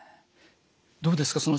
どうですか？